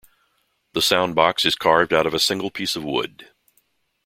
The soundbox is carved out of a single piece of wood.